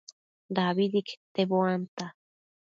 dabidi quete buanta